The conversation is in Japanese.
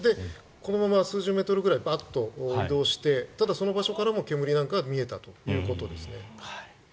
このまま数十メートルぐらい移動してただ、その場所からも煙なんかが見えたということですね。